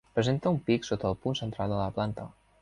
Presenta un pic sota el punt central de la planta.